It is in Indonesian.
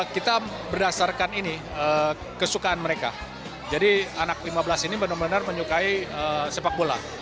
kita berdasarkan ini kesukaan mereka jadi anak lima belas ini benar benar menyukai sepak bola